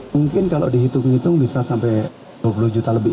mungkin kalau dihitung hitung bisa sampai dua puluh juta lebih